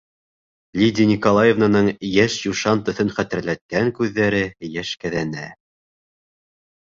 - Лидия Николаевнаның йәш юшан төҫөн хәтерләткән күҙҙәре йәшкәҙәне.